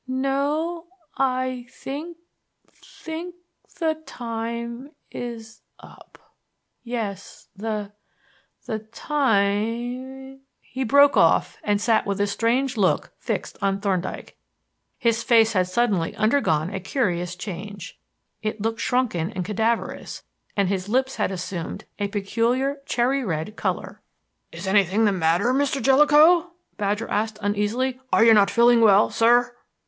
No I think think the time is up. Yes the the time " He broke off and sat with a strange look fixed on Thorndyke. His face had suddenly undergone a curious change. It looked shrunken and cadaverous and his lips had assumed a peculiar cherry red color. "Is anything the matter, Mr. Jellicoe?" Badger asked uneasily. "Are you not feeling well, sir?"